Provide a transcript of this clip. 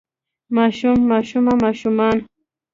ماشوم ماشومه ماشومان